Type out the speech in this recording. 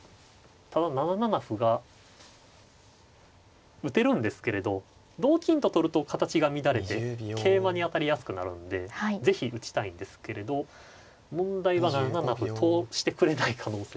ただ７七歩が打てるんですけれど同金と取ると形が乱れて桂馬に当たりやすくなるんで是非打ちたいんですけれど問題は７七歩通してくれない可能性が。